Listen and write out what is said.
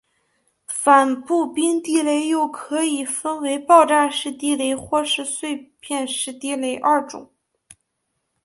反步兵地雷又可以分为爆炸式地雷或是碎片式地雷二种。